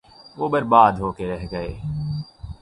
وہ برباد ہو کے رہ گئے۔